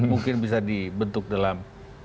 mungkin bisa dibentuk dalam